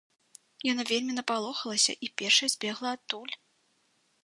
Яна вельмі напалохалася і першай збегла адтуль.